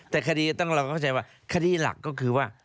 แต่คดีเราเข้าใจว่าคดีหลักก็คือว่า